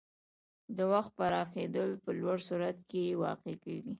د وخت پراخېدل په لوړ سرعت کې واقع کېږي.